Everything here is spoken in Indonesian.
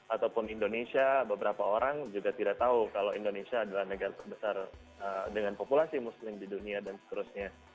ataupun indonesia beberapa orang juga tidak tahu kalau indonesia adalah negara terbesar dengan populasi muslim di dunia dan seterusnya